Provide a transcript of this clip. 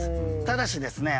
ただしですね